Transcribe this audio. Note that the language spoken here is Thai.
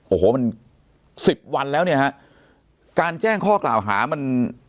โอ้โหมันสิบวันแล้วเนี่ยฮะการแจ้งข้อกล่าวหามัน